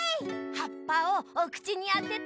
はっぱをおくちにあてて。